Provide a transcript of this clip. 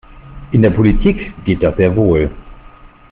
In der Politik geht das sehr wohl.